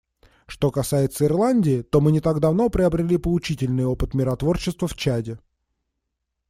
Что касается Ирландии, то мы не так давно пробрели поучительный опыт миротворчества в Чаде.